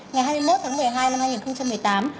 ngày hai mươi một tháng một mươi hai năm hai nghìn một mươi tám